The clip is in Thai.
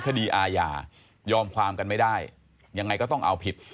คดีอาญายอมความกันไม่ได้ยังไงก็ต้องเอาผิด